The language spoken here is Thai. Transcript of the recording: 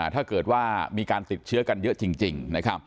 ถ้าเกิดว่ามีการติดเชื้อกันเยอะจริง